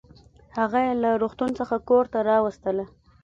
هغه يې له روغتون څخه کورته راوستله